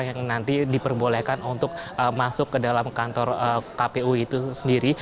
yang nanti diperbolehkan untuk masuk ke dalam kantor kpu itu sendiri